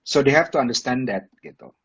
jadi mereka harus mengerti itu gitu